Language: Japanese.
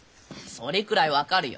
それくらい分かるよ。